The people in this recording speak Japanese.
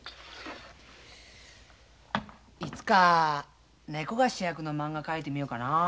いつかネコが主役のまんが描いてみようかな。